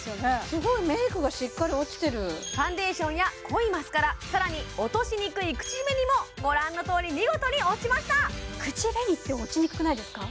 すごいメイクがしっかり落ちてるファンデーションや濃いマスカラさらに落としにくい口紅もご覧のとおり見事に落ちました口紅って落ちにくくないですか？